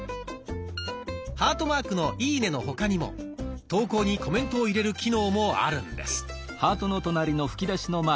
ハートマークの「いいね」の他にも投稿にコメントを入れる機能もあるんです。